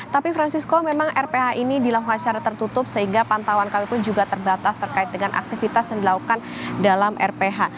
tapi francisco memang rph ini dilakukan secara tertutup sehingga pantauan kami pun juga terbatas terkait dengan aktivitas yang dilakukan dalam rph